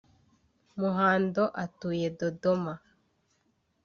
Muhando atuye Dodoma